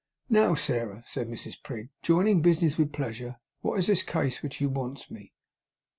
'Now, Sairah,' said Mrs Prig, 'joining business with pleasure, wot is this case in which you wants me?